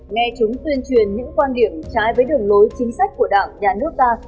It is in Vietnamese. nghe chúng tuyên truyền những quan điểm trái với đường lối chính sách của đảng nhà nước ta